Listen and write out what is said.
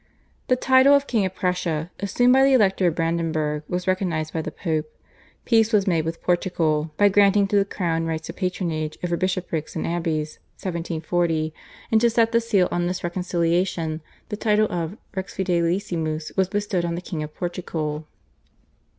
The title of King of Prussia assumed by the Elector of Brandenburg was recognised by the Pope; peace was made with Portugal by granting to the crown rights of patronage over bishoprics and abbeys (1740), and to set the seal on this reconciliation the title of /Rex Fidelissimus/ was bestowed on the King of Portugal.